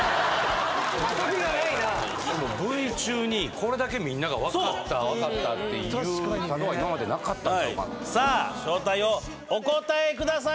遊びがないなＶ中にこれだけみんなが分かった分かったって言うたのは今までなかったんちゃうかなさあ正体をお答えください